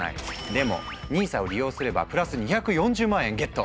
でもＮＩＳＡを利用すればプラス２４０万円ゲット！